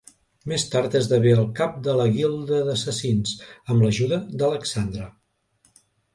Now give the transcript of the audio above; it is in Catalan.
Més tard esdevé el cap de la guilda d'assassins, amb l'ajuda d'Alexandra.